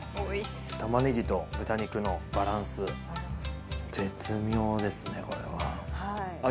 たまねぎと豚肉のバランス絶妙ですね。